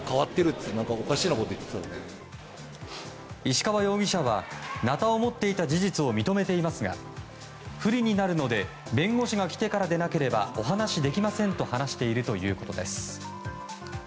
石川容疑者はなたを持っていた事実を認めていますが不利になるので弁護士が来てからでなければお話しできませんと話しているということです。